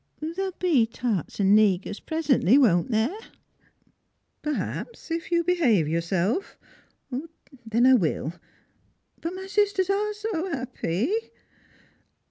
There'll be tarts and negus presently, won't there?" " Perhaps, if you behave yourself." " Then I will. But my sisters are so 'appy."